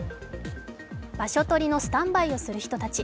場所取りのスタンバイをする人たち。